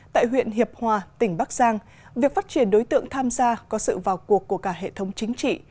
tại huyện hiệp hòa tỉnh bắc giang việc phát triển đối tượng tham gia có sự vào cuộc của cả hệ thống chính trị